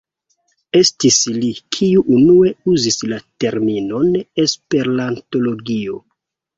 Estis li, kiu unue uzis la terminon "esperantologio".